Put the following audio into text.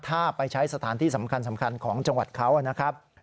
ถ้าไปใช้สถานที่สำคัญของจังหวัดเขานะครับ